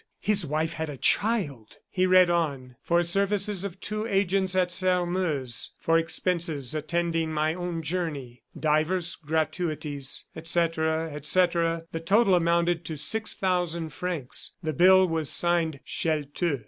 His wife had a child! He read on: "For services of two agents at Sairmeuse, . For expenses attending my own journey, . Divers gratuities, . Etc., etc." The total amounted to six thousand francs. The bill was signed "Chelteux."